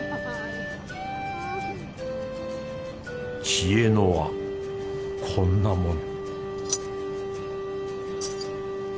知恵の輪こんなもの